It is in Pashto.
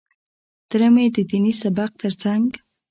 تره مې د ديني سبق تر څنګ.